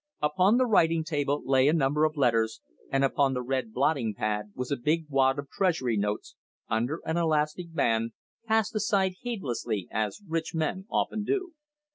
Upon the writing table lay a number of letters, and upon the red blotting pad was a big wad of Treasury notes, under an elastic band, cast aside heedlessly, as rich men often do.